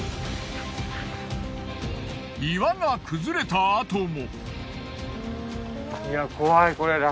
岩が崩れた跡も。